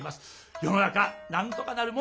世の中なんとかなるもんですね。